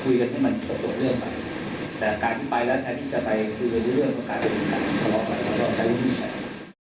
คุยกันให้มันประโยชน์เรื่องกันแต่การที่ไปแล้วถ้าที่จะไปคือเรื่องกับการเป็นผู้หญิงกัน